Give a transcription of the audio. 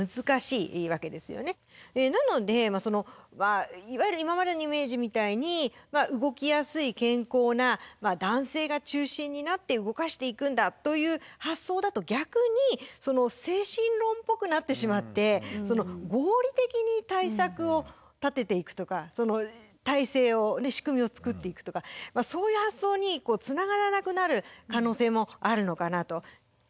なのでいわゆる今までのイメージみたいに動きやすい健康な男性が中心になって動かしていくんだという発想だと逆に精神論っぽくなってしまって合理的に対策を立てていくとか態勢を仕組みを作っていくとかそういう発想につながらなくなる可能性もあるのかなと。